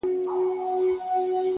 د لرې غره لید د سترګو ستړیا کموي!